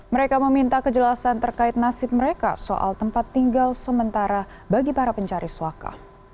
mereka meminta kejelasan terkait nasib mereka soal tempat tinggal sementara bagi para pencari suaka